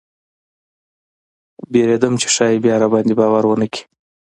ویرېدم چې ښایي بیا راباندې باور ونه کړي.